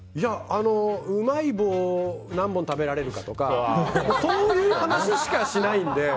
うまい棒を何本食べられるかとかそういう話しかしないので。